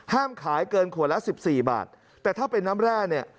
ขายเกินขวดละสิบสี่บาทแต่ถ้าเป็นน้ำแร่เนี่ย